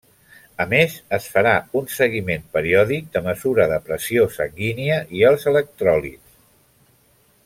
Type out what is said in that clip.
A més, es farà un seguiment periòdic de mesura de pressió sanguínia i els electròlits.